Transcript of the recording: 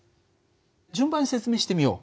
順番に説明してみよう。